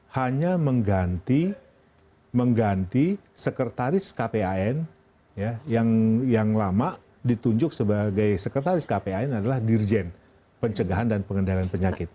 hanya mengganti sekretaris kpan yang lama ditunjuk sebagai sekretaris kpan adalah dirjen pencegahan dan pengendalian penyakit